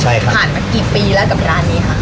ผ่านมากี่ปีแล้วกับร้านนี้คะ